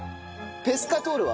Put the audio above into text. ペスカトーレは？